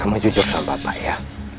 sama jujur sama bapak ya